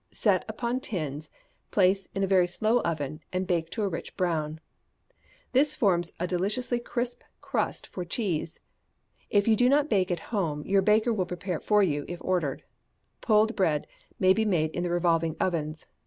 Set upon tins, place in a very slow oven, and bake to a rich brown. This forms a deliciously crisp crust for cheese. If you do not bake at home, your baker will prepare it for you, if ordered. Pulled bread may be made in the revolving ovens.